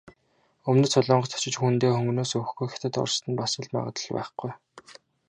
Өмнөд Солонгост очиж хүндээ хөнгөнөөс өгөхгүй, Хятад, Орост нь бас л магадлал байхгүй.